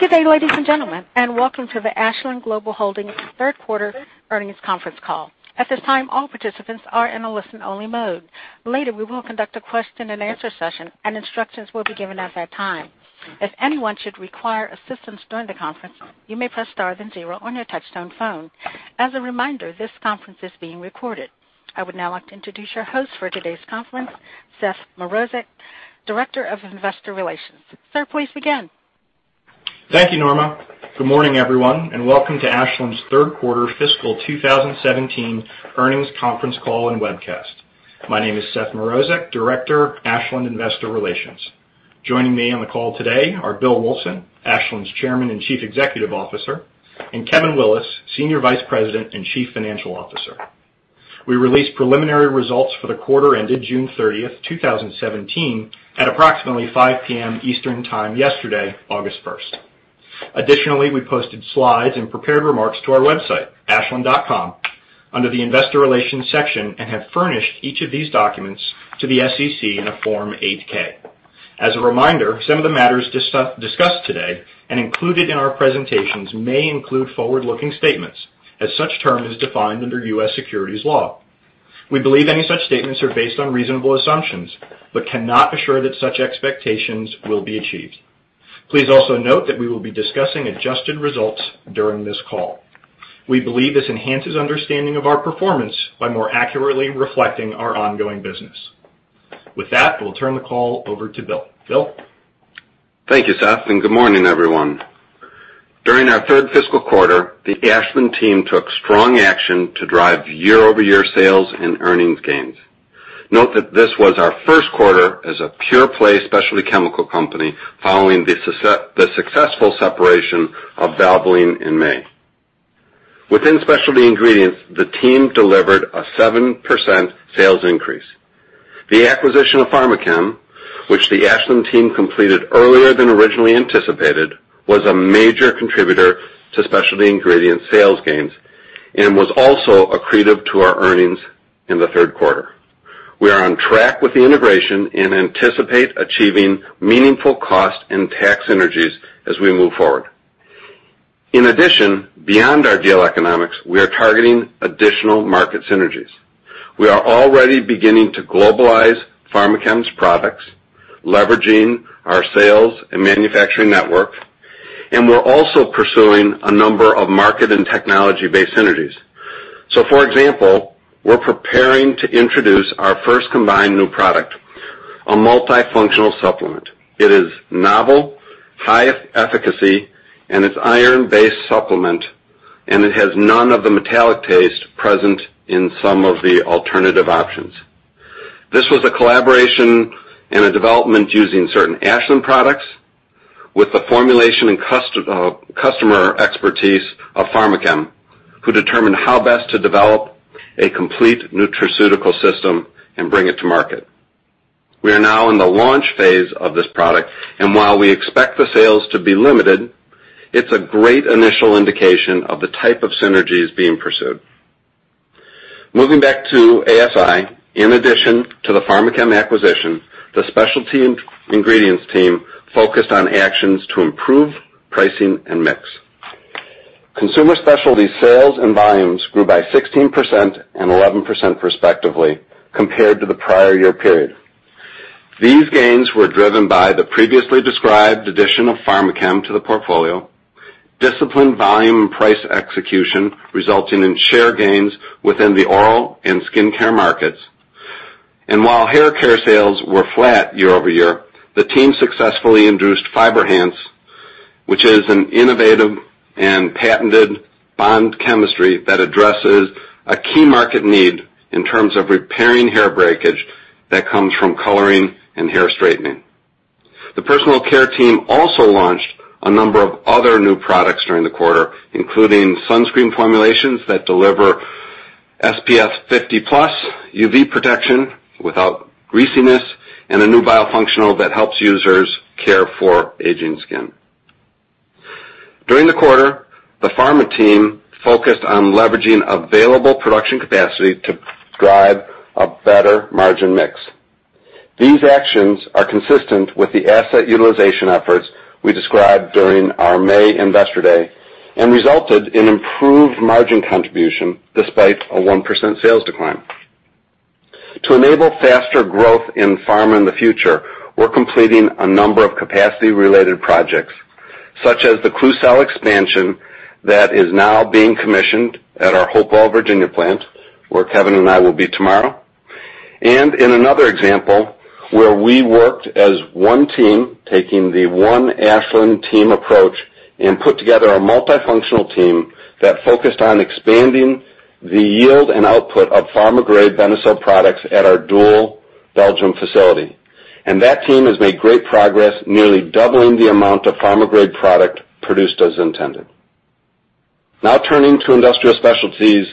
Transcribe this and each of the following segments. Good day, ladies and gentlemen, and welcome to the Ashland Global Holdings third quarter earnings conference call. At this time, all participants are in a listen-only mode. Later, we will conduct a question and answer session, and instructions will be given at that time. If anyone should require assistance during the conference, you may press star then zero on your touch-tone phone. As a reminder, this conference is being recorded. I would now like to introduce your host for today's conference, Seth Mrozek, Director of Investor Relations. Sir, please begin. Thank you, Norma. Good morning, everyone, and welcome to Ashland's third quarter fiscal 2017 earnings conference call and webcast. My name is Seth Mrozek, Director, Ashland Investor Relations. Joining me on the call today are Bill Wulfsohn, Ashland's Chairman and Chief Executive Officer, and Kevin Willis, Senior Vice President and Chief Financial Officer. We released preliminary results for the quarter ended June 30th, 2017, at approximately 5:00 P.M. Eastern Time yesterday, August 1st. Additionally, we posted slides and prepared remarks to our website, ashland.com, under the investor relations section, and have furnished each of these documents to the SEC in a Form 8-K. As a reminder, some of the matters discussed today and included in our presentations may include forward-looking statements, as such term is defined under U.S. securities law. We believe any such statements are based on reasonable assumptions but cannot assure that such expectations will be achieved. Please also note that we will be discussing adjusted results during this call. We believe this enhances understanding of our performance by more accurately reflecting our ongoing business. With that, we'll turn the call over to Bill. Bill? Thank you, Seth, and good morning, everyone. During our third fiscal quarter, the Ashland team took strong action to drive year-over-year sales and earnings gains. Note that this was our first quarter as a pure-play specialty chemical company following the successful separation of Valvoline in May. Within Specialty Ingredients, the team delivered a 7% sales increase. The acquisition of Pharmachem, which the Ashland team completed earlier than originally anticipated, was a major contributor to Specialty Ingredients sales gains and was also accretive to our earnings in the third quarter. We are on track with the integration and anticipate achieving meaningful cost and tax synergies as we move forward. In addition, beyond our deal economics, we are targeting additional market synergies. We are already beginning to globalize Pharmachem's products, leveraging our sales and manufacturing network, and we're also pursuing a number of market and technology-based synergies. For example, we're preparing to introduce our first combined new product, a multifunctional supplement. It is novel, high efficacy, and its iron-based supplement, and it has none of the metallic taste present in some of the alternative options. This was a collaboration and a development using certain Ashland products with the formulation and customer expertise of Pharmachem, who determined how best to develop a complete nutraceutical system and bring it to market. We are now in the launch phase of this product, and while we expect the sales to be limited, it's a great initial indication of the type of synergies being pursued. Moving back to ASI, in addition to the Pharmachem acquisition, the Specialty Ingredients team focused on actions to improve pricing and mix. Consumer Specialties sales and volumes grew by 16% and 11% respectively, compared to the prior year period. These gains were driven by the previously described addition of Pharmachem to the portfolio, disciplined volume and price execution, resulting in share gains within the oral and skincare markets. While haircare sales were flat year-over-year, the team successfully introduced FiberHance, which is an innovative and patented bond chemistry that addresses a key market need in terms of repairing hair breakage that comes from coloring and hair straightening. The personal care team also launched a number of other new products during the quarter, including sunscreen formulations that deliver SPF 50+ UV protection without greasiness and a new biofunctional that helps users care for aging skin. During the quarter, the pharma team focused on leveraging available production capacity to drive a better margin mix. These actions are consistent with the asset utilization efforts we described during our May investor day and resulted in improved margin contribution despite a 1% sales decline. To enable faster growth in pharma in the future, we're completing a number of capacity-related projects, such as the Klucel expansion that is now being commissioned at our Hopewell, Virginia plant, where Kevin and I will be tomorrow. In another example, where we worked as one team, taking the one Ashland team approach, and put together a multifunctional team that focused on expanding the yield and output of pharma-grade Benecel products at our Doel, Belgium facility. That team has made great progress, nearly doubling the amount of pharma-grade product produced as intended. Now turning to Industrial Specialties,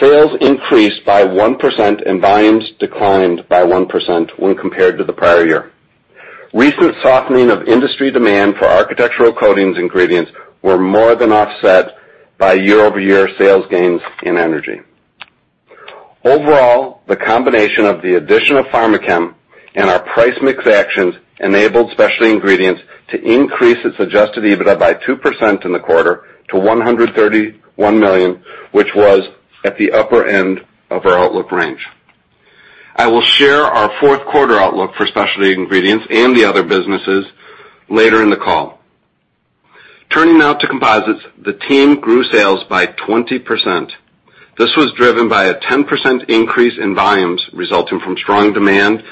sales increased by 1% and volumes declined by 1% when compared to the prior year. Recent softening of industry demand for architectural coatings ingredients were more than offset by year-over-year sales gains in energy. Overall, the combination of the addition of Pharmachem and our price mix actions enabled Specialty Ingredients to increase its adjusted EBITDA by 2% in the quarter to $131 million, which was at the upper end of our outlook range. I will share our fourth quarter outlook for Specialty Ingredients and the other businesses later in the call. Turning now to Composites. The team grew sales by 20%. This was driven by a 10% increase in volumes resulting from strong demand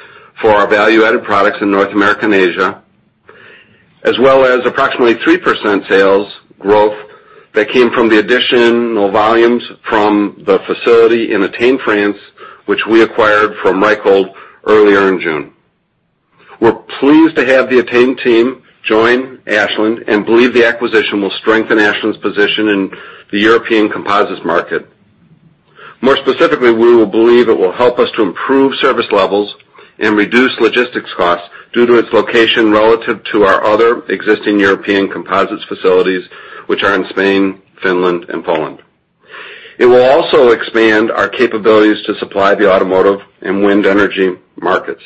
for our value-added products in North America and Asia, as well as approximately 3% sales growth that came from the additional volumes from the facility in Etain, France, which we acquired from Reichhold earlier in June. We're pleased to have the Etain team join Ashland and believe the acquisition will strengthen Ashland's position in the European Composites market. More specifically, we believe it will help us to improve service levels and reduce logistics costs due to its location relative to our other existing European Composites facilities, which are in Spain, Finland, and Poland. It will also expand our capabilities to supply the automotive and wind energy markets.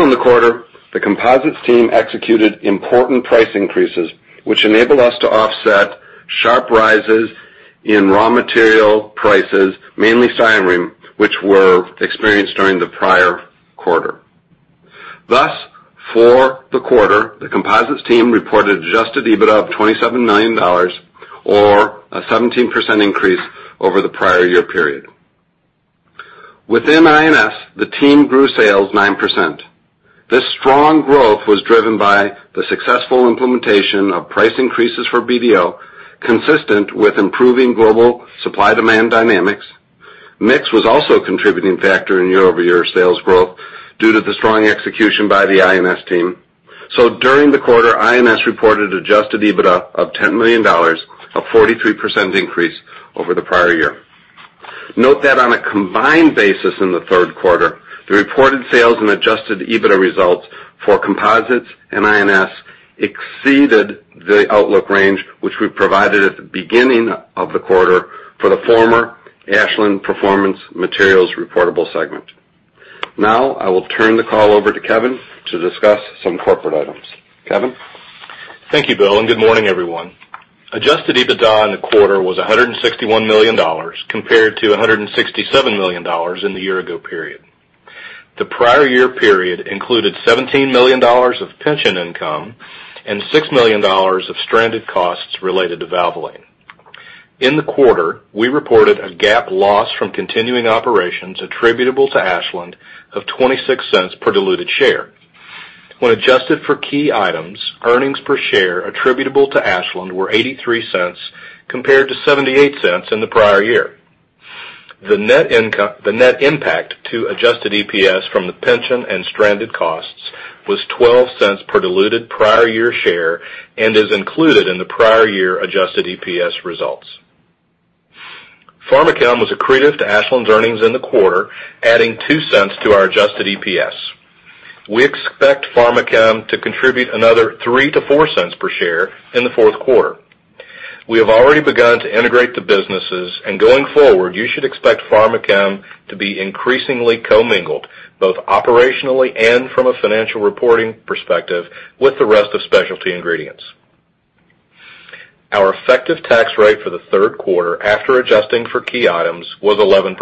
In the quarter, the Composites team executed important price increases, which enabled us to offset sharp rises in raw material prices, mainly styrene, which were experienced during the prior quarter. Thus, for the quarter, the Composites team reported adjusted EBITDA of $27 million, or a 17% increase over the prior year period. Within INS, the team grew sales 9%. This strong growth was driven by the successful implementation of price increases for BDO, consistent with improving global supply-demand dynamics. Mix was also a contributing factor in year-over-year sales growth due to the strong execution by the INS team. During the quarter, INS reported adjusted EBITDA of $10 million, a 43% increase over the prior year. Note that on a combined basis in the third quarter, the reported sales and adjusted EBITDA results for Composites and INS exceeded the outlook range, which we provided at the beginning of the quarter for the former Ashland Performance Materials reportable segment. I will turn the call over to Kevin to discuss some corporate items. Kevin? Thank you, Bill, and good morning, everyone. Adjusted EBITDA in the quarter was $161 million compared to $167 million in the year ago period. The prior year period included $17 million of pension income and $6 million of stranded costs related to Valvoline. In the quarter, we reported a GAAP loss from continuing operations attributable to Ashland of $0.26 per diluted share. When adjusted for key items, earnings per share attributable to Ashland were $0.83 compared to $0.78 in the prior year. The net impact to adjusted EPS from the pension and stranded costs was $0.12 per diluted prior year share and is included in the prior year adjusted EPS results. Pharmachem was accretive to Ashland's earnings in the quarter, adding $0.02 to our adjusted EPS. We expect Pharmachem to contribute another $0.03-$0.04 per share in the fourth quarter. We have already begun to integrate the businesses. Going forward, you should expect Pharmachem to be increasingly commingled, both operationally and from a financial reporting perspective, with the rest of Specialty Ingredients. Our effective tax rate for the third quarter, after adjusting for key items, was 11%.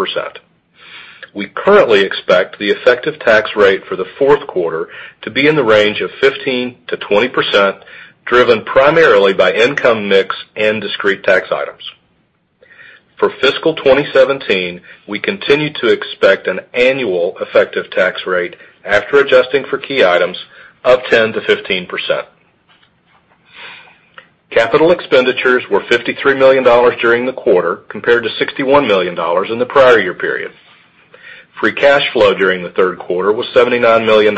We currently expect the effective tax rate for the fourth quarter to be in the range of 15%-20%, driven primarily by income mix and discrete tax items. For fiscal 2017, we continue to expect an annual effective tax rate, after adjusting for key items, of 10%-15%. Capital expenditures were $53 million during the quarter, compared to $61 million in the prior year period. Free cash flow during the third quarter was $79 million,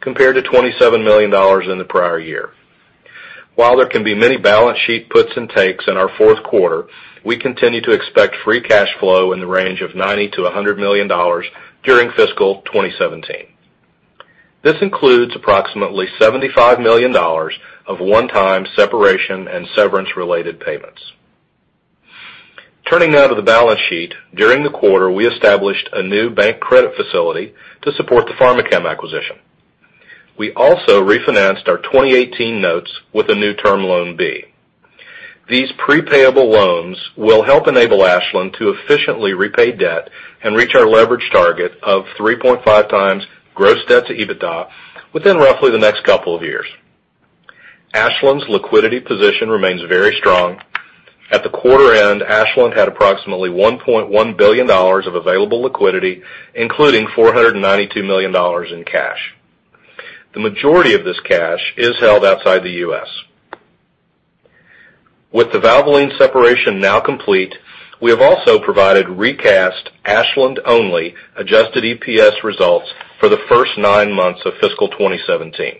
compared to $27 million in the prior year. While there can be many balance sheet puts and takes in our fourth quarter, we continue to expect free cash flow in the range of $90 million to $100 million during fiscal 2017. This includes approximately $75 million of one-time separation and severance related payments. Turning now to the balance sheet. During the quarter, we established a new bank credit facility to support the Pharmachem acquisition. We also refinanced our 2018 notes with a new term loan B. These pre-payable loans will help enable Ashland to efficiently repay debt and reach our leverage target of 3.5 times gross debt to EBITDA within roughly the next couple of years. Ashland's liquidity position remains very strong. At the quarter end, Ashland had approximately $1.1 billion of available liquidity, including $492 million in cash. The majority of this cash is held outside the U.S. With the Valvoline separation now complete, we have also provided recast Ashland-only adjusted EPS results for the first nine months of fiscal 2017.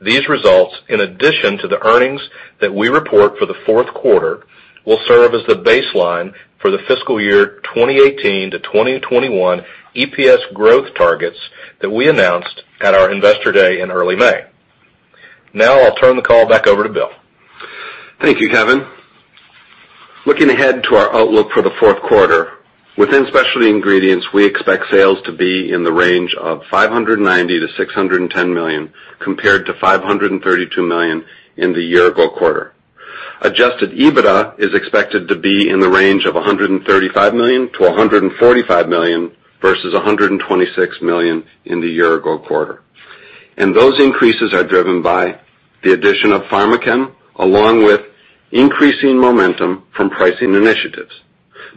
These results, in addition to the earnings that we report for the fourth quarter, will serve as the baseline for the fiscal year 2018 to 2021 EPS growth targets that we announced at our Investor Day in early May. I'll turn the call back over to Bill. Thank you, Kevin. Looking ahead to our outlook for the fourth quarter, within Specialty Ingredients, we expect sales to be in the range of $590 million to $610 million, compared to $532 million in the year-ago quarter. Adjusted EBITDA is expected to be in the range of $135 million to $145 million versus $126 million in the year-ago quarter. Those increases are driven by the addition of Pharmachem, along with increasing momentum from pricing initiatives.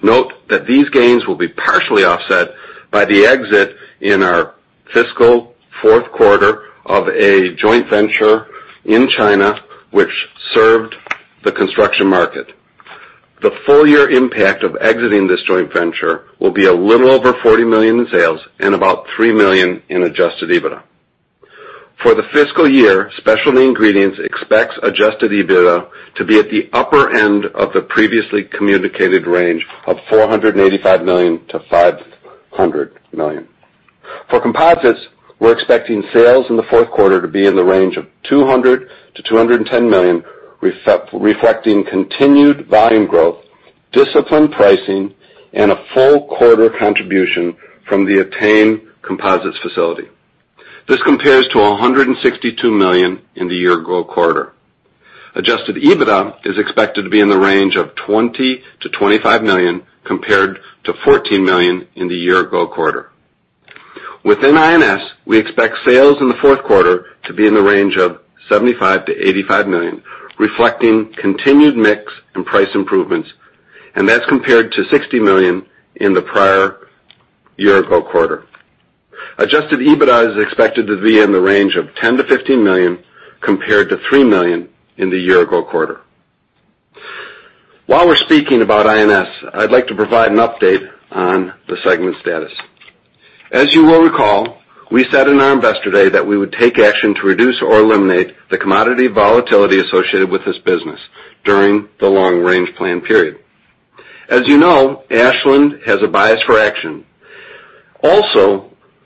Note that these gains will be partially offset by the exit in our fiscal fourth quarter of a joint venture in China, which served the construction market. The full-year impact of exiting this joint venture will be a little over $40 million in sales and about $3 million in adjusted EBITDA. For the fiscal year, Specialty Ingredients expects adjusted EBITDA to be at the upper end of the previously communicated range of $485 million to $500 million. For Composites, we're expecting sales in the fourth quarter to be in the range of $200 million to $210 million, reflecting continued volume growth, disciplined pricing, and a full quarter contribution from the Etain composites facility. This compares to $162 million in the year-ago quarter. Adjusted EBITDA is expected to be in the range of $20 million to $25 million, compared to $14 million in the year-ago quarter. Within INS, we expect sales in the fourth quarter to be in the range of $75 million to $85 million, reflecting continued mix and price improvements. That's compared to $60 million in the prior year-ago quarter. Adjusted EBITDA is expected to be in the range of $10 million to $15 million, compared to $3 million in the year-ago quarter. While we're speaking about INS, I'd like to provide an update on the segment status. As you will recall, we said in our Investor Day that we would take action to reduce or eliminate the commodity volatility associated with this business during the long-range plan period. As you know, Ashland has a bias for action.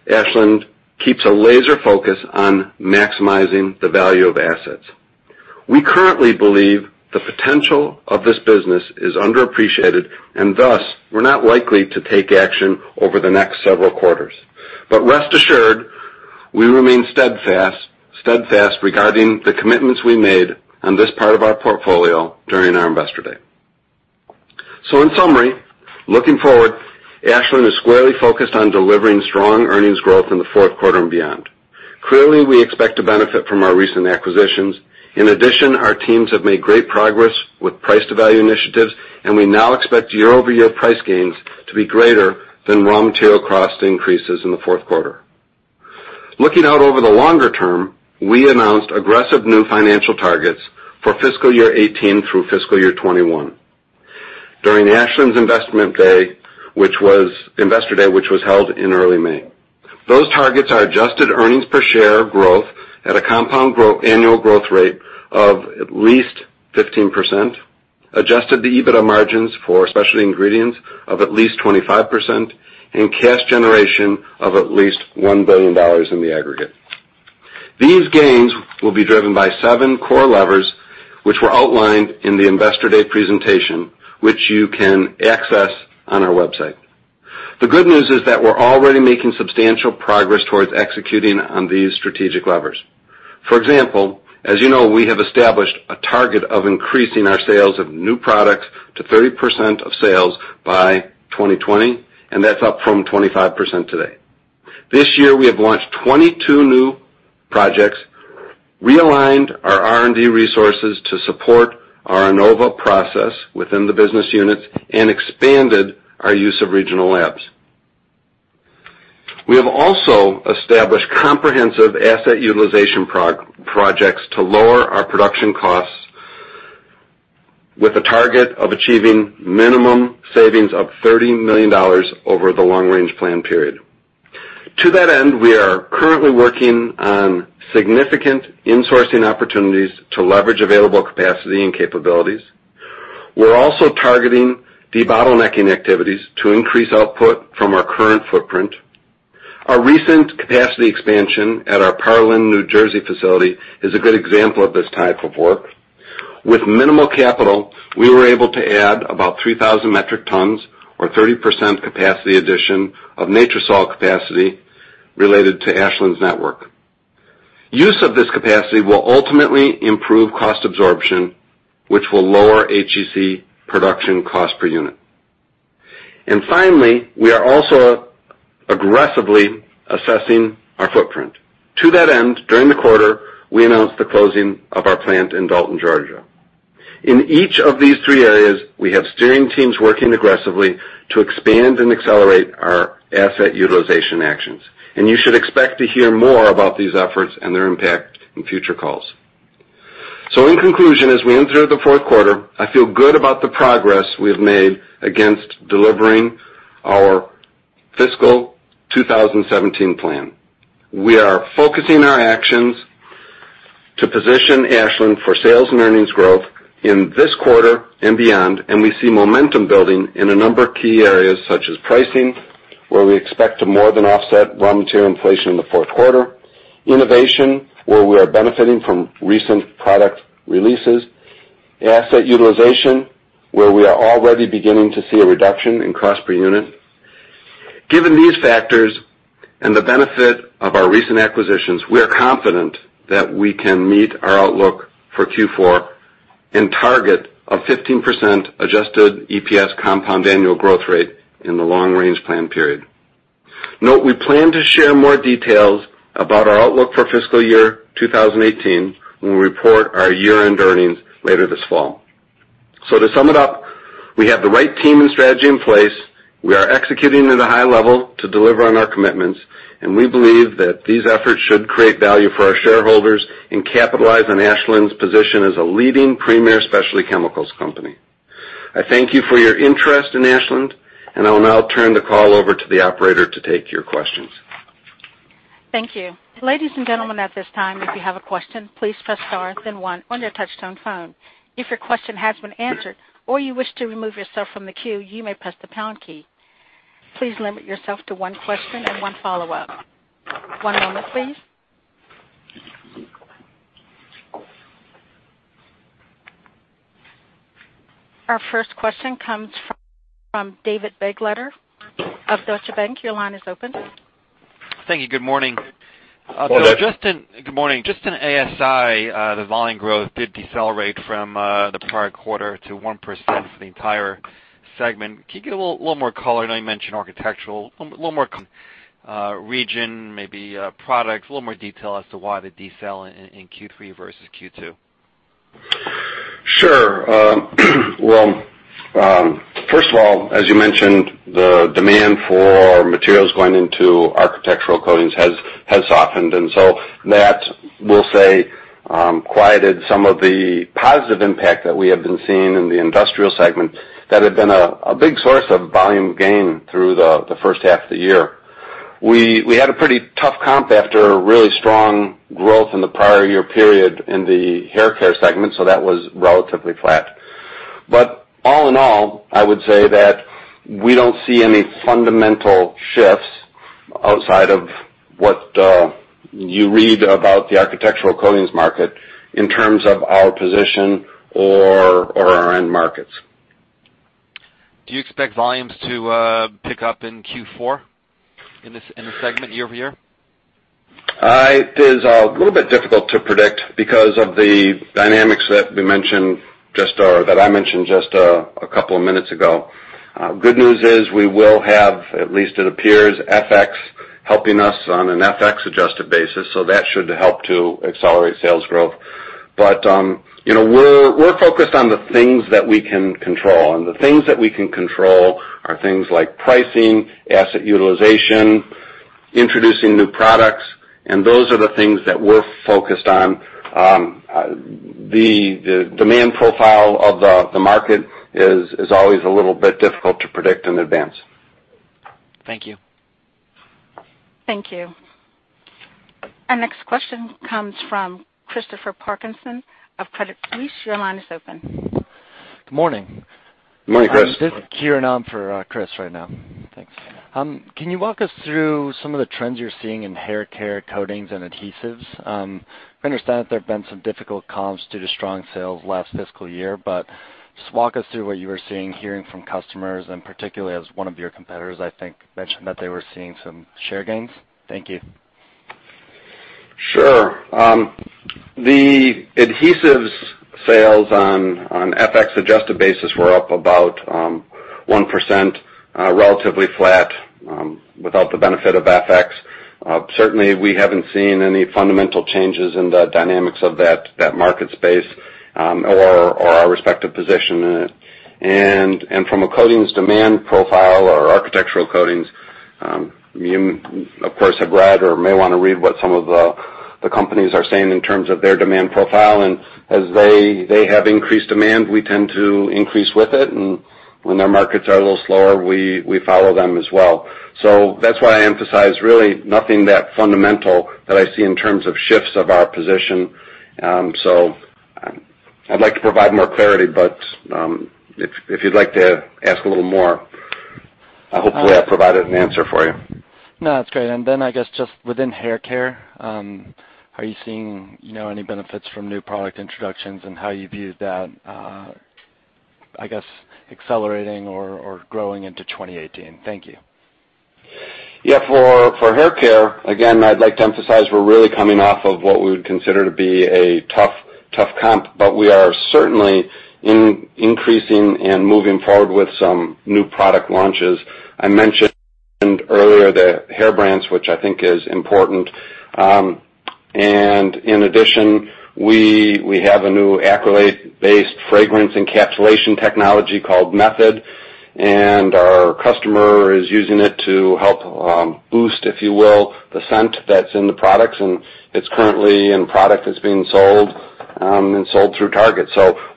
Ashland keeps a laser focus on maximizing the value of assets. We currently believe the potential of this business is underappreciated, and thus, we're not likely to take action over the next several quarters. Rest assured, we remain steadfast regarding the commitments we made on this part of our portfolio during our Investor Day. In summary, looking forward, Ashland is squarely focused on delivering strong earnings growth in the fourth quarter and beyond. Clearly, we expect to benefit from our recent acquisitions. In addition, our teams have made great progress with price to value initiatives, and we now expect year-over-year price gains to be greater than raw material cost increases in the fourth quarter. Looking out over the longer term, we announced aggressive new financial targets for fiscal year 2018 through fiscal year 2021 during Ashland's Investor Day, which was held in early May. Those targets are adjusted earnings per share growth at a compound annual growth rate of at least 15%, adjusted EBITDA margins for Specialty Ingredients of at least 25%, and cash generation of at least $1 billion in the aggregate. These gains will be driven by seven core levers, which were outlined in the Investor Day presentation, which you can access on our website. The good news is that we're already making substantial progress towards executing on these strategic levers. For example, as you know, we have established a target of increasing our sales of new products to 30% of sales by 2020, and that's up from 25% today. This year, we have launched 22 new projects, realigned our R&D resources to support our Innova process within the business units, and expanded our use of regional labs. We have also established comprehensive asset utilization projects to lower our production costs with a target of achieving minimum savings of $30 million over the long-range plan period. To that end, we are currently working on significant insourcing opportunities to leverage available capacity and capabilities. We're also targeting debottlenecking activities to increase output from our current footprint. Our recent capacity expansion at our Parlin, New Jersey facility is a good example of this type of work. With minimal capital, we were able to add about 3,000 metric tons or 30% capacity addition of Natrosol capacity related to Ashland's network. Use of this capacity will ultimately improve cost absorption, which will lower HEC production cost per unit. Finally, we are also aggressively assessing our footprint. To that end, during the quarter, we announced the closing of our plant in Dalton, Georgia. In each of these three areas, we have steering teams working aggressively to expand and accelerate our asset utilization actions. You should expect to hear more about these efforts and their impact in future calls. In conclusion, as we enter the fourth quarter, I feel good about the progress we have made against delivering our fiscal 2017 plan. We are focusing our actions to position Ashland for sales and earnings growth in this quarter and beyond. We see momentum building in a number of key areas such as pricing, where we expect to more than offset raw material inflation in the fourth quarter. Innovation, where we are benefiting from recent product releases. Asset utilization, where we are already beginning to see a reduction in cost per unit. Given these factors and the benefit of our recent acquisitions, we are confident that we can meet our outlook for Q4 and target a 15% adjusted EPS compound annual growth rate in the long-range plan period. Note, we plan to share more details about our outlook for fiscal year 2018 when we report our year-end earnings later this fall. To sum it up, we have the right team and strategy in place. We are executing at a high level to deliver on our commitments. We believe that these efforts should create value for our shareholders and capitalize on Ashland's position as a leading premier specialty chemicals company. I thank you for your interest in Ashland. I will now turn the call over to the operator to take your questions. Thank you. Ladies and gentlemen, at this time, if you have a question, please press star then one on your touch-tone phone. If your question has been answered or you wish to remove yourself from the queue, you may press the pound key. Please limit yourself to one question and one follow-up. One moment please. Our first question comes from David Begleiter of Deutsche Bank. Your line is open. Thank you. Good morning. Good morning. Good morning. Just in ASI, the volume growth did decelerate from the prior quarter to 1% for the entire segment. Can you give a little more color? I know you mentioned architectural. A little more region, maybe product. A little more detail as to why the decel in Q3 versus Q2. Sure. First of all, as you mentioned, the demand for materials going into architectural coatings has softened, and so that, we'll say, quieted some of the positive impact that we have been seeing in the industrial segment that had been a big source of volume gain through the first half of the year. We had a pretty tough comp after a really strong growth in the prior year period in the hair care segment. That was relatively flat. All in all, I would say that we don't see any fundamental shifts outside of what you read about the architectural coatings market in terms of our position or our end markets. Do you expect volumes to pick up in Q4 in the segment year-over-year? It is a little bit difficult to predict because of the dynamics that I mentioned just a couple of minutes ago. Good news is we will have, at least it appears, FX helping us on an FX-adjusted basis. That should help to accelerate sales growth. We're focused on the things that we can control, and the things that we can control are things like pricing, asset utilization, introducing new products, and those are the things that we're focused on. The demand profile of the market is always a little bit difficult to predict in advance. Thank you. Thank you. Our next question comes from Christopher Parkinson of Credit Suisse. Your line is open. Good morning. Morning, Chris. This is Kiran for Chris right now. Thanks. Can you walk us through some of the trends you're seeing in hair care coatings and adhesives? I understand that there have been some difficult comps due to strong sales last fiscal year, just walk us through what you are seeing, hearing from customers, and particularly as one of your competitors, I think, mentioned that they were seeing some share gains. Thank you. Sure. The adhesives sales on FX adjusted basis were up about 1%, relatively flat without the benefit of FX. Certainly, we haven't seen any fundamental changes in the dynamics of that market space or our respective position in it. From a coatings demand profile or architectural coatings, you, of course, have read or may want to read what some of the companies are saying in terms of their demand profile. As they have increased demand, we tend to increase with it. When their markets are a little slower, we follow them as well. That's why I emphasize really nothing that fundamental that I see in terms of shifts of our position. I'd like to provide more clarity, but if you'd like to ask a little more, hopefully I've provided an answer for you. No, that's great. I guess just within hair care, are you seeing any benefits from new product introductions and how you view that, I guess, accelerating or growing into 2018? Thank you. Yeah. For hair care, again, I'd like to emphasize we're really coming off of what we would consider to be a tough comp, but we are certainly increasing and moving forward with some new product launches. I mentioned earlier the hair bonds, which I think is important. In addition, we have a new acrylate-based fragrance encapsulation technology called Captivates encapsulates, and our customer is using it to help boost, if you will, the scent that's in the products, and it's currently in product that's being sold and sold through Target.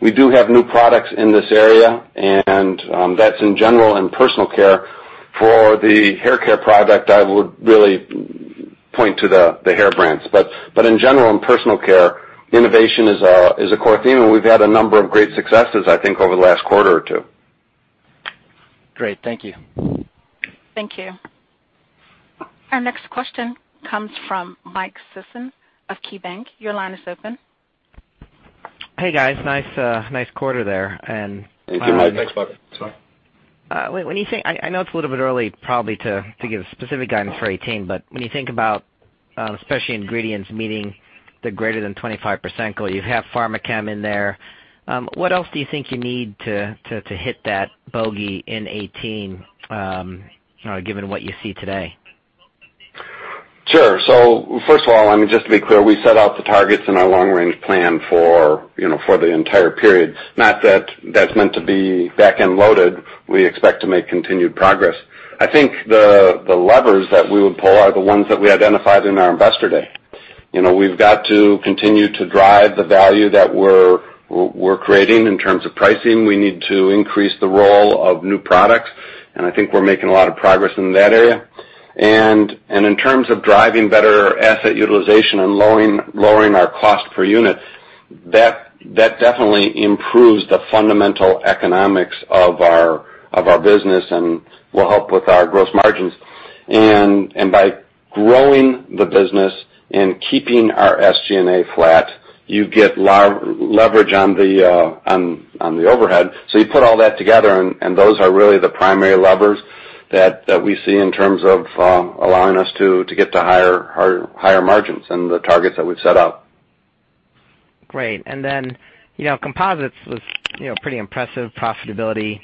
We do have new products in this area, and that's in general and personal care. For the hair care product, I would really point to the hair bonds. In general, in personal care, innovation is a core theme, and we've had a number of great successes, I think, over the last quarter or two. Great. Thank you. Thank you. Our next question comes from Michael Sison of KeyBanc. Your line is open. Hey, guys. Nice quarter there. Thank you, Mike. Thanks, Mike. When you say I know it's a little bit early probably to give specific guidance for 2018, but when you think about Specialty Ingredients meeting the greater than 25% goal, you have Pharmachem in there. What else do you think you need to hit that bogey in 2018, given what you see today? Sure. First of all, just to be clear, we set out the targets in our long-range plan for the entire period. Not that that's meant to be back-end loaded. We expect to make continued progress. I think the levers that we would pull are the ones that we identified in our investor day. We've got to continue to drive the value that we're creating in terms of pricing. We need to increase the role of new products, and I think we're making a lot of progress in that area. In terms of driving better asset utilization and lowering our cost per unit, that definitely improves the fundamental economics of our business and will help with our gross margins. By growing the business and keeping our SG&A flat, you get leverage on the overhead. You put all that together, those are really the primary levers that we see in terms of allowing us to get to higher margins and the targets that we've set out. Great. Composites was pretty impressive. Profitability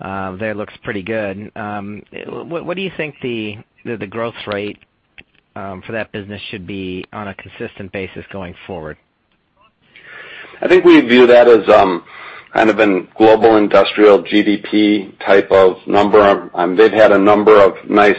there looks pretty good. What do you think the growth rate for that business should be on a consistent basis going forward? I think we view that as kind of in global industrial GDP type of number. They've had a number of nice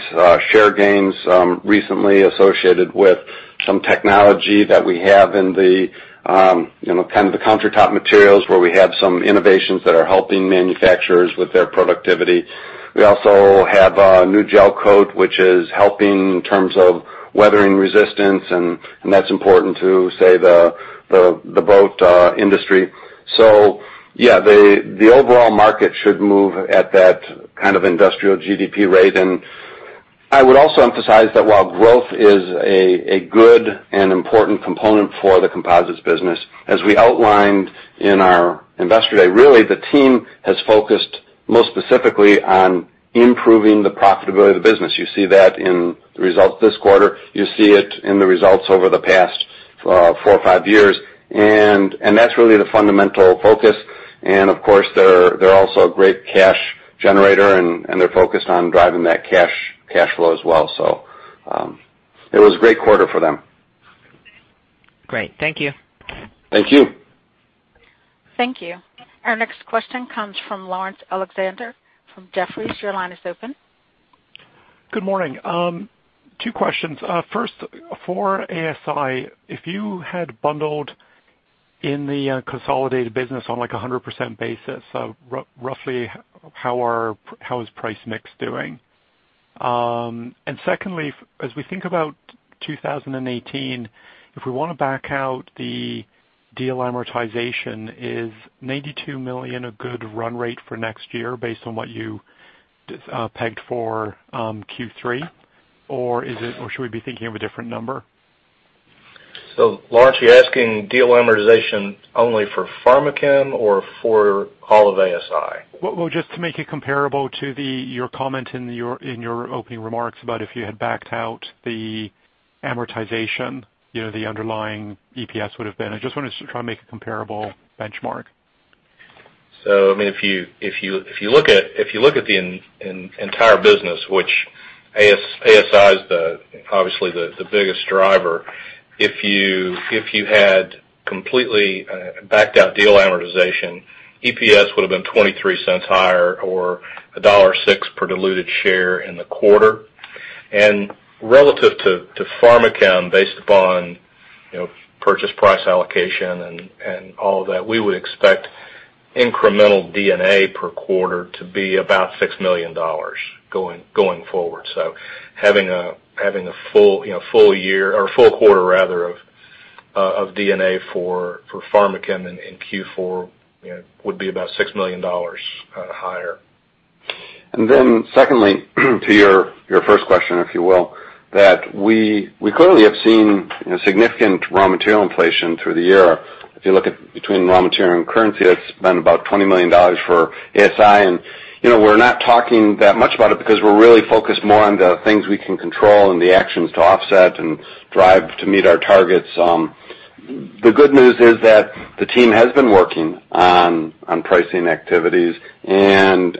share gains recently associated with some technology that we have in the countertop materials where we have some innovations that are helping manufacturers with their productivity. We also have a new gel coat, which is helping in terms of weathering resistance, and that's important to, say the boat industry. The overall market should move at that kind of industrial GDP rate. I would also emphasize that while growth is a good and important component for the Composites business, as we outlined in our investor day, really, the team has focused most specifically on improving the profitability of the business. You see that in the results this quarter. You see it in the results over the past four or five years, and that's really the fundamental focus. Of course, they're also a great cash generator, and they're focused on driving that cash flow as well. It was a great quarter for them. Great. Thank you. Thank you. Thank you. Our next question comes from Laurence Alexander from Jefferies. Your line is open. Good morning. Two questions. First, for ASI, if you had bundled in the consolidated business on a 100% basis, roughly how is price mix doing? Secondly, as we think about 2018, if we want to back out the deal amortization, is $92 million a good run rate for next year based on what you pegged for Q3? Should we be thinking of a different number? Laurence, are you asking deal amortization only for Pharmachem or for all of ASI? Just to make it comparable to your comment in your opening remarks about if you had backed out the amortization, the underlying EPS would have been. I just wanted to try and make a comparable benchmark. If you look at the entire business, which ASI is obviously the biggest driver, if you had completely backed out deal amortization, EPS would've been $0.23 higher or $1.06 per diluted share in the quarter. Relative to Pharmachem, based upon purchase price allocation and all of that, we would expect incremental D&A per quarter to be about $6 million going forward. Having a full quarter of D&A for Pharmachem in Q4 would be about $6 million higher. Secondly, to your first question, if you will, that we clearly have seen significant raw material inflation through the year. If you look at between raw material and currency, that's been about $20 million for ASI, we're not talking that much about it because we're really focused more on the things we can control and the actions to offset and drive to meet our targets. The good news is that the team has been working on pricing activities and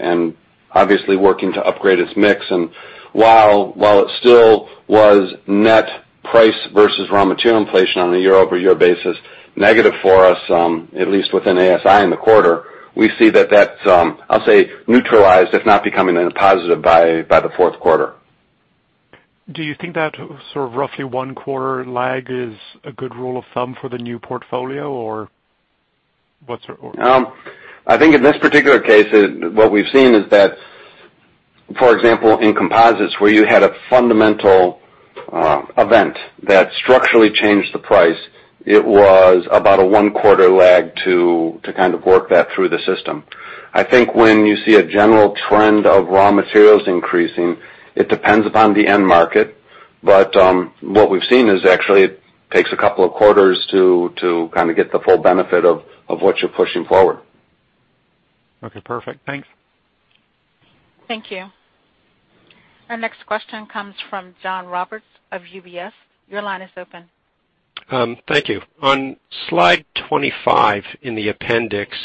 obviously working to upgrade its mix. While it still was net price versus raw material inflation on a year-over-year basis, negative for us, at least within ASI in the quarter, we see that I'll say neutralized, if not becoming a positive by the fourth quarter. Do you think that sort of roughly one quarter lag is a good rule of thumb for the new portfolio? What's your order? I think in this particular case, what we've seen is that, for example, in Composites, where you had a fundamental event that structurally changed the price, it was about a one-quarter lag to kind of work that through the system. I think when you see a general trend of raw materials increasing, it depends upon the end market. What we've seen is actually it takes a couple of quarters to kind of get the full benefit of what you're pushing forward. Okay, perfect. Thanks. Thank you. Our next question comes from John Roberts of UBS. Your line is open. Thank you. On Slide 25 in the appendix,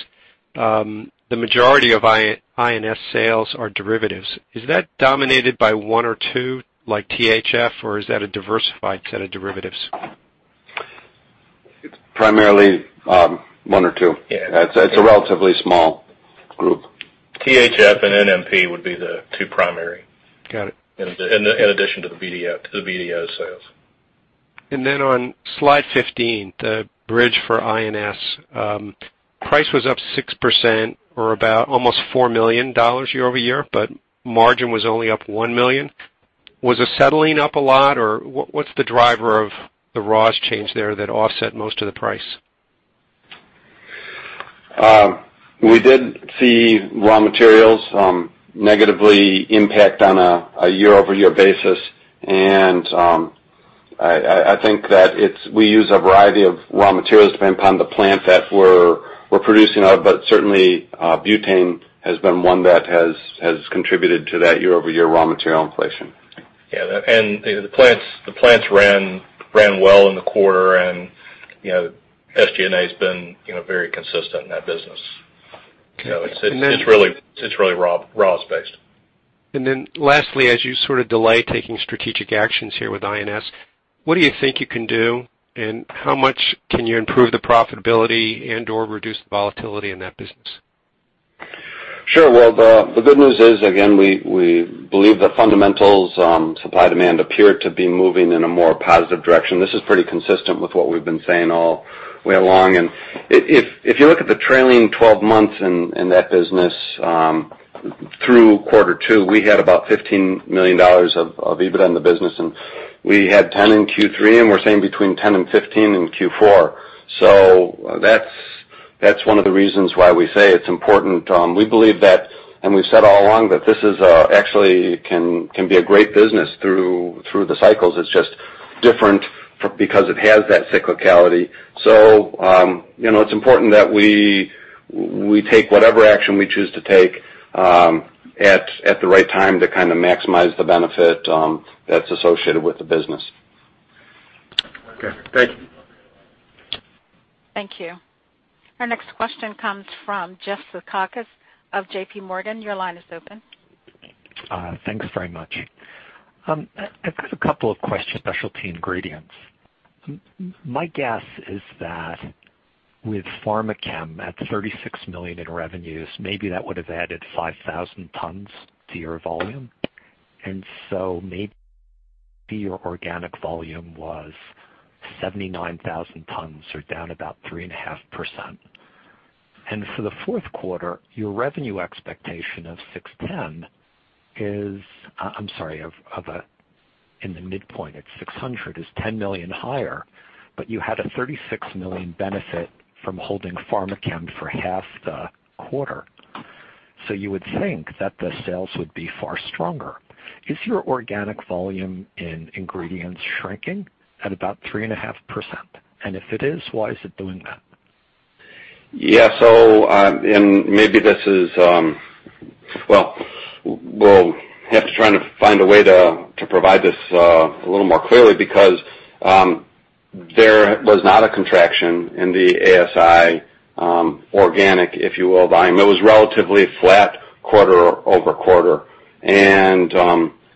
the majority of INS sales are derivatives. Is that dominated by one or two, like THF, or is that a diversified set of derivatives? It's primarily one or two. Yeah. It's a relatively small group. THF and NMP would be the two primary. Got it. In addition to the BDO sales. Then on Slide 15, the bridge for INS. Price was up 6% or about almost $4 million year-over-year, but margin was only up $1 million. Was the settling up a lot or what's the driver of the raws change there that offset most of the price? We did see raw materials negatively impact on a year-over-year basis. I think that we use a variety of raw materials depending upon the plant that we're producing out of, certainly, butane has been one that has contributed to that year-over-year raw material inflation. Yeah, the plants ran well in the quarter, and SG&A has been very consistent in that business. It's really raws based. Then lastly, as you sort of delay taking strategic actions here with INS, what do you think you can do and how much can you improve the profitability and/or reduce the volatility in that business? Sure. Well, the good news is, again, we believe the fundamentals on supply and demand appear to be moving in a more positive direction. This is pretty consistent with what we've been saying all way along. If you look at the trailing 12 months in that business through quarter two, we had about $15 million of EBITDA in the business, and we had 10 in Q3, and we're saying between 10 and 15 in Q4. That's one of the reasons why we say it's important. We believe that, and we've said all along that this is actually can be a great business through the cycles. It's just different because it has that cyclicality. It's important that we take whatever action we choose to take at the right time to kind of maximize the benefit that's associated with the business. Okay. Thank you. Thank you. Our next question comes from Jeff Zekauskas of JPMorgan. Your line is open. Thanks very much. I've got a couple of questions. Specialty Ingredients. My guess is that with Pharmachem at $36 million in revenues, maybe that would have added 5,000 tons to your volume. So maybe your organic volume was 79,000 tons or down about 3.5%. For the fourth quarter, your revenue expectation of $610 is I'm sorry, in the midpoint it's $600, is $10 million higher, but you had a $36 million benefit from holding Pharmachem for half the quarter. You would think that the sales would be far stronger. Is your organic volume in ingredients shrinking at about 3.5%? If it is, why is it doing that? Yeah. So maybe this is. Well, we'll have to try to find a way to provide this a little more clearly because there was not a contraction in the ASI organic, if you will, volume. It was relatively flat quarter-over-quarter.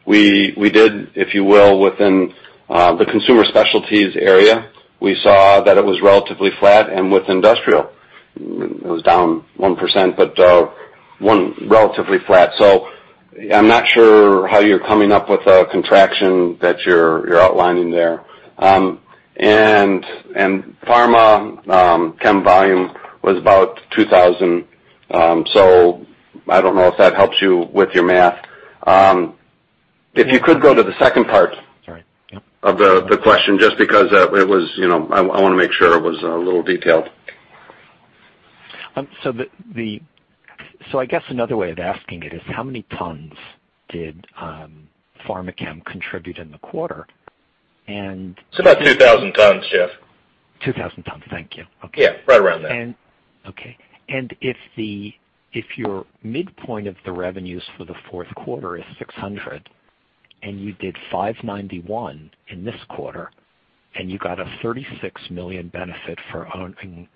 We did, if you will, within the Consumer Specialties area, we saw that it was relatively flat, and with Industrial Specialties. It was down 1%, but one relatively flat. I'm not sure how you're coming up with a contraction that you're outlining there. Pharmachem volume was about 2,000. I don't know if that helps you with your math. If you could go to the second part. Sorry. Yep. Of the question, just because I want to make sure it was a little detailed. I guess another way of asking it is how many tons did Pharmachem contribute in the quarter? It's about 2,000 tons, Jeff. 2,000 tons. Thank you. Okay. Yeah, right around there. Okay. If your midpoint of the revenues for the fourth quarter is $600, you did $591 in this quarter, and you got a $36 million benefit for owning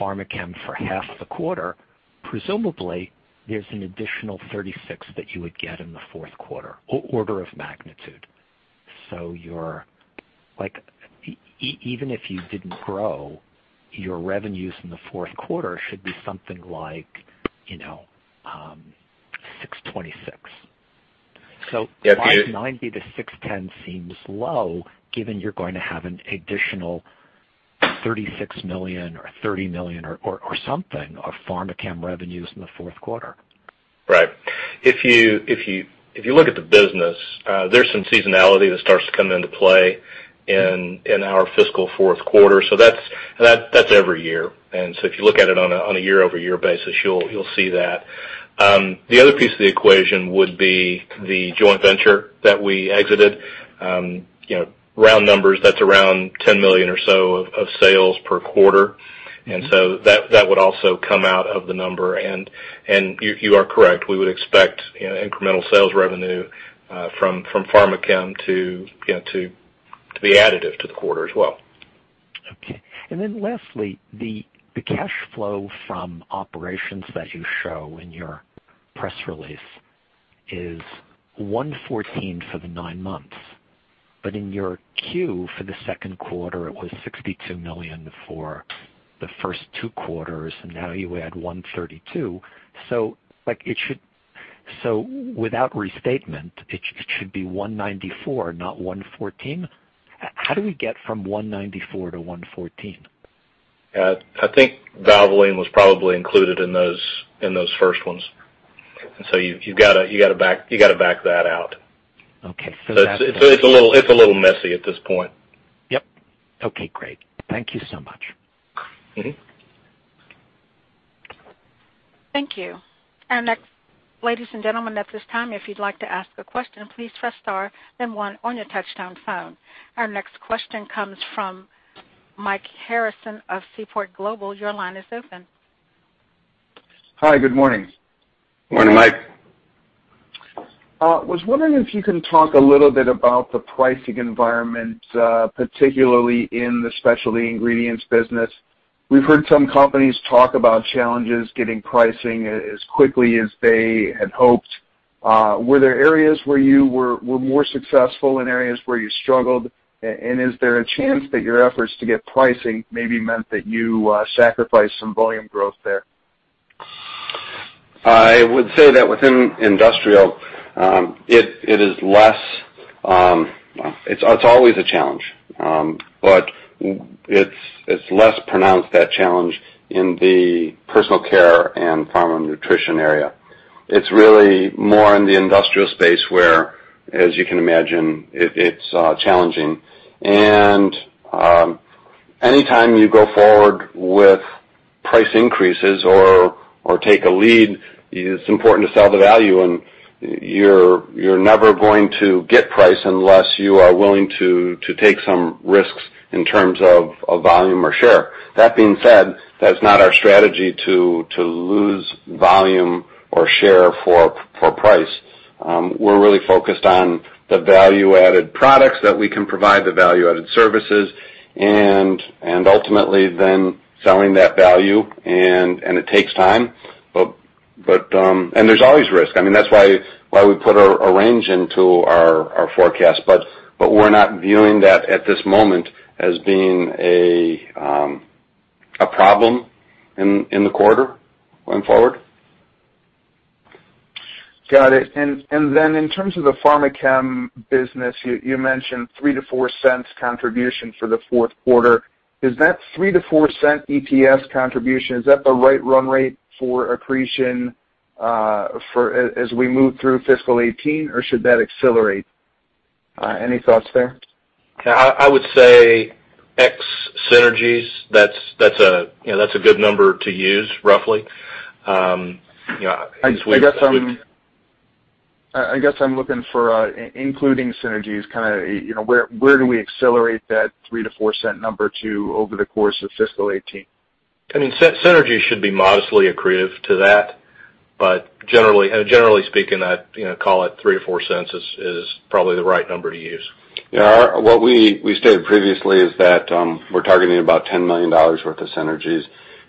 Pharmachem for half the quarter, presumably there's an additional $36 that you would get in the fourth quarter order of magnitude. Even if you didn't grow, your revenues in the fourth quarter should be something like $626. $590-$610 seems low, given you're going to have an additional $36 million or $30 million or something of Pharmachem revenues in the fourth quarter. Right. If you look at the business, there's some seasonality that starts to come into play in our fiscal fourth quarter. That's every year. If you look at it on a year-over-year basis, you'll see that. The other piece of the equation would be the joint venture that we exited. Round numbers, that's around $10 million or so of sales per quarter. That would also come out of the number. You are correct. We would expect incremental sales revenue from Pharmachem to be additive to the quarter as well. Okay. Lastly, the cash flow from operations that you show in your press release is $114 for the nine months. In your Q for the 2nd quarter, it was $62 million for the first two quarters, now you add $132. Without restatement, it should be $194, not $114. How do we get from $194 to $114? I think Valvoline was probably included in those first ones. You've got to back that out. Okay. It's a little messy at this point. Yep. Okay, great. Thank you so much. Thank you. Ladies and gentlemen, at this time, if you'd like to ask a question, please press star then one on your touch-tone phone. Our next question comes from Mike Harrison of Seaport Global. Your line is open. Hi, good morning. Morning, Mike. I was wondering if you can talk a little bit about the pricing environment, particularly in the Specialty Ingredients business. We've heard some companies talk about challenges getting pricing as quickly as they had hoped. Were there areas where you were more successful and areas where you struggled? Is there a chance that your efforts to get pricing maybe meant that you sacrificed some volume growth there? I would say that within Industrial, it's always a challenge. It's less pronounced, that challenge, in the personal care and pharma nutrition area. It's really more in the Industrial space where, as you can imagine, it's challenging. Any time you go forward with price increases or take a lead, it's important to sell the value. You're never going to get price unless you are willing to take some risks in terms of volume or share. That being said, that's not our strategy to lose volume or share for price. We're really focused on the value-added products that we can provide, the value-added services. Ultimately then selling that value. It takes time. There's always risk. That's why we put a range into our forecast. We're not viewing that at this moment as being a problem in the quarter going forward. Got it. In terms of the Pharmachem business, you mentioned $0.03-$0.04 contribution for the fourth quarter. Is that $0.03-$0.04 EPS contribution, is that the right run rate for accretion as we move through fiscal 2018, or should that accelerate? Any thoughts there? I would say ex synergies, that's a good number to use, roughly. I guess I'm looking for including synergies, where do we accelerate that $0.03-$0.04 number to over the course of fiscal 2018? Synergy should be modestly accretive to that. Generally speaking, I'd call it $0.03 or $0.04 is probably the right number to use. What we stated previously is that we're targeting about $10 million worth of synergies.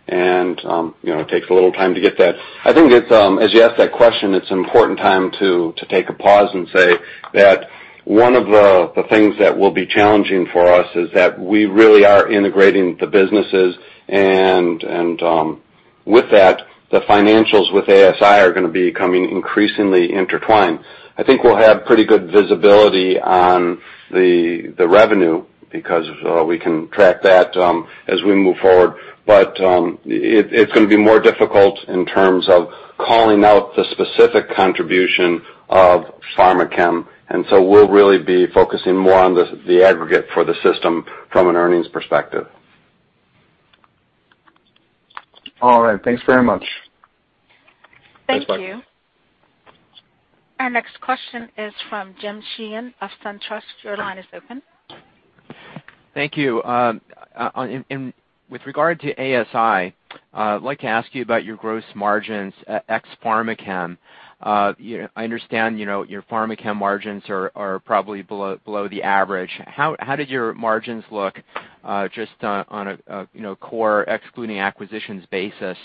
It takes a little time to get that. I think as you ask that question, it's an important time to take a pause and say that one of the things that will be challenging for us is that we really are integrating the businesses, and with that, the financials with ASI are going to be becoming increasingly intertwined. I think we'll have pretty good visibility on the revenue because we can track that as we move forward. It's going to be more difficult in terms of calling out the specific contribution of Pharmachem. We'll really be focusing more on the aggregate for the system from an earnings perspective. All right. Thanks very much. Thanks, Mike. Thank you. Our next question is from Jim Sheehan of SunTrust. Your line is open. Thank you. With regard to ASI, I'd like to ask you about your gross margins ex Pharmachem. I understand your Pharmachem margins are probably below the average. How did your margins look just on a core excluding acquisitions basis?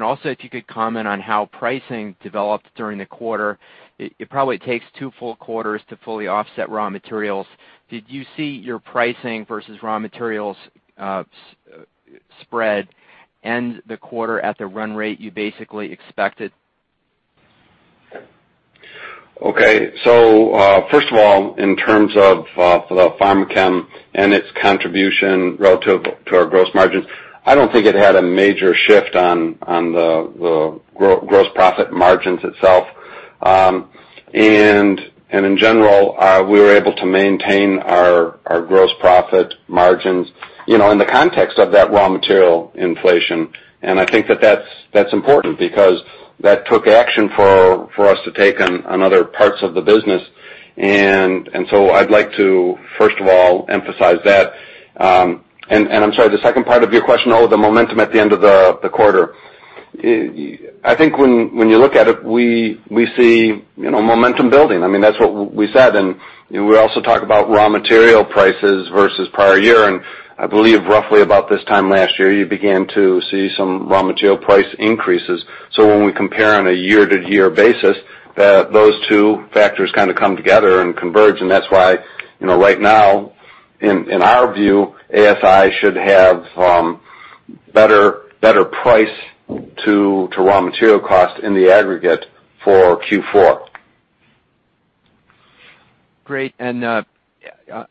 Also, if you could comment on how pricing developed during the quarter. It probably takes two full quarters to fully offset raw materials. Did you see your pricing versus raw materials spread end the quarter at the run rate you basically expected? Okay. First of all, in terms of the Pharmachem and its contribution relative to our gross margins, I don't think it had a major shift on the gross profit margins itself. In general, we were able to maintain our gross profit margins, in the context of that raw material inflation. I think that that's important because that took action for us to take on other parts of the business. I'd like to, first of all, emphasize that. I'm sorry, the second part of your question, the momentum at the end of the quarter. I think when you look at it, we see momentum building. That's what we said. We also talk about raw material prices versus prior year, and I believe roughly about this time last year, you began to see some raw material price increases. When we compare on a year-to-year basis, those two factors kind of come together and converge, and that's why, right now, in our view, ASI should have better price to raw material cost in the aggregate for Q4. Great.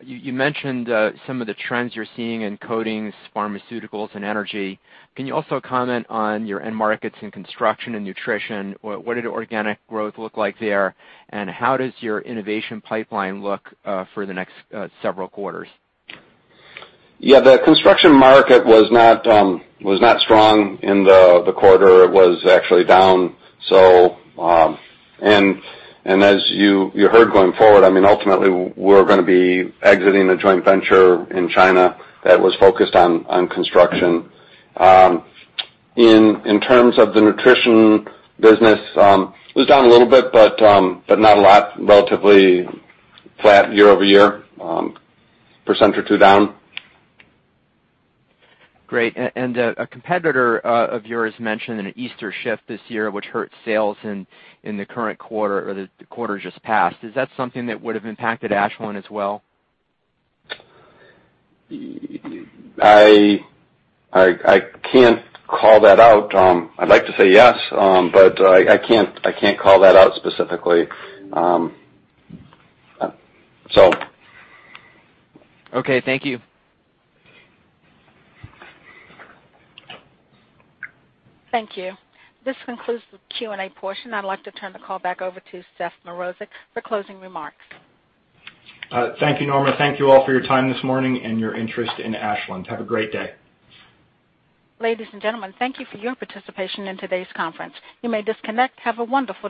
You mentioned some of the trends you're seeing in coatings, pharmaceuticals, and energy. Can you also comment on your end markets in construction and nutrition? What did organic growth look like there, and how does your innovation pipeline look for the next several quarters? Yeah. The construction market was not strong in the quarter. It was actually down. As you heard going forward, ultimately, we're going to be exiting a joint venture in China that was focused on construction. In terms of the nutrition business, it was down a little bit, but not a lot. Relatively flat year-over-year. 1% or 2% down. Great. A competitor of yours mentioned an Easter shift this year, which hurt sales in the current quarter or the quarter just passed. Is that something that would have impacted Ashland as well? I can't call that out. I'd like to say yes, but I can't call that out specifically. Okay. Thank you. Thank you. This concludes the Q&A portion. I'd like to turn the call back over to Seth Mrozek for closing remarks. Thank you, Norma. Thank you all for your time this morning and your interest in Ashland. Have a great day. Ladies and gentlemen, thank you for your participation in today's conference. You may disconnect. Have a wonderful day.